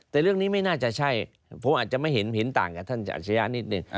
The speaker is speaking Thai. แต่เรื่องนี้ไม่น่าจะใช่ผมอาจจะไม่เห็นเห็นต่างกับท่านอาชญะนิดนึง